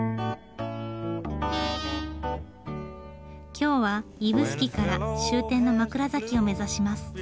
今日は指宿から終点の枕崎を目指します。